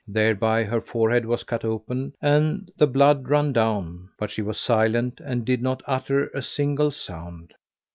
Thereby her forehead was cut open and the blood ran down, but she was silent and did not utter a single sound.